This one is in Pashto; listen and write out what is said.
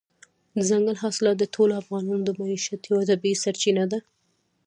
دځنګل حاصلات د ټولو افغانانو د معیشت یوه طبیعي سرچینه ده.